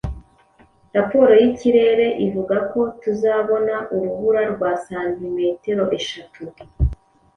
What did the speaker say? Raporo yikirere ivuga ko tuzabona urubura rwa santimetero eshatu.